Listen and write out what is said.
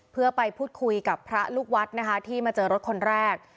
เพื่อไปพูดคุยกับพระลูกวัดนะคะที่มาเจอรถคนแรก